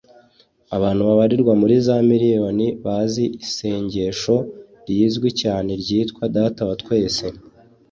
abantu babarirwa muri za miriyoni bazi isengesho rizwi cyane ryitwa data wa twese